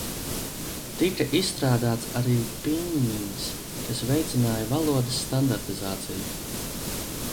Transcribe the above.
Tika izstrādāts arī piņjiņs, kas veicināja valodas standartizāciju.